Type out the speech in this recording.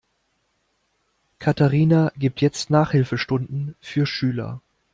Katharina gibt jetzt Nachhilfestunden für Schüler.